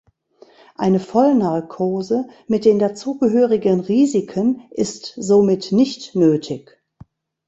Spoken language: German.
Eine Vollnarkose mit den dazugehörigen Risiken ist somit nicht nötig.